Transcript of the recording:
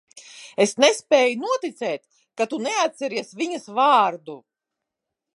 Es nespēju noticēt, ka tu neatceries viņas vārdu.